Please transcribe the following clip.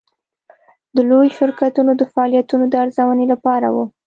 د لویو شرکتونو د فعالیتونو د ارزونې لپاره وه.